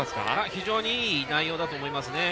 非常にいい内容だと思いますね。